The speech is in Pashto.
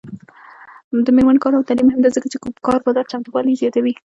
د میرمنو کار او تعلیم مهم دی ځکه چې کار بازار چمتووالي زیاتوي.